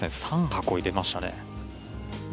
３箱入れましたね。